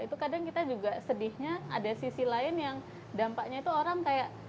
itu kadang kita juga sedihnya ada sisi lain yang dampaknya itu orang kayak